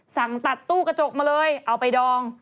สั่งตัดตู้กระจกมาเลยเอาไปดอง